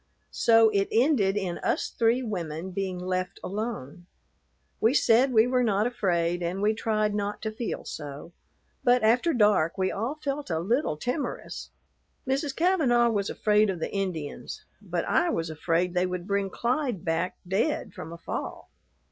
So it ended in us three women being left alone. We said we were not afraid and we tried not to feel so, but after dark we all felt a little timorous. Mrs. Kavanaugh was afraid of the Indians, but I was afraid they would bring Clyde back dead from a fall.